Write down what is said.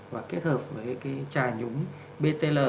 và kết hợp với cái trà nhúng btl